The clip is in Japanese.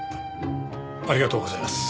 ありがとうございます。